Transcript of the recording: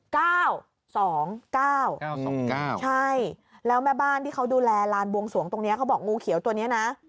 ใช่แล้วแม่บ้านที่เขาดูแลลานบวงสวงตรงนี้เขาบอกงูเขียวตัวเนี้ยนะ